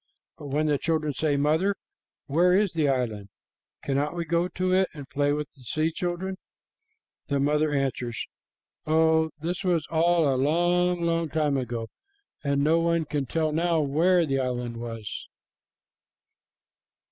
But when the children say, "Mother, where is the island? Cannot we go to it and play with the sea children?" the mother answers, "Oh, this was all a long, long time ago, and no one can tell now where the island was."